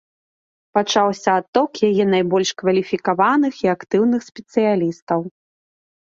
Пачаўся адток яе найбольш кваліфікаваных і актыўных спецыялістаў.